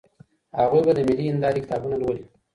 هغوی به د ملي هندارې کتابونه لولي.